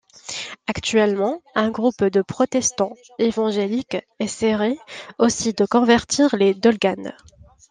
Actuellement, un groupe de protestants évangéliques essaierait aussi de convertir les Dolganes.